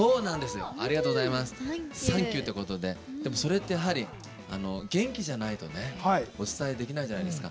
サンキューっていうことでそれってやっぱり元気じゃないとお伝えできないじゃないですか。